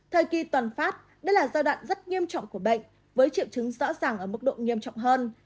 thời kỳ toàn phát đây là giai đoạn rất nghiêm trọng của bệnh với triệu chứng rõ ràng ở mức độ nghiêm trọng hơn